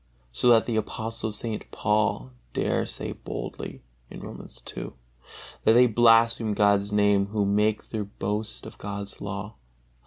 So that the Apostle St. Paul dare say boldly, Romans ii, that they blaspheme God's Name who make their boast of God's Law.